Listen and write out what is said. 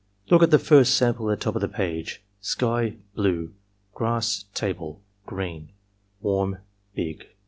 Look at the first sample at the top of the page: Sky — ^blue :: grass— table, green, warm, big.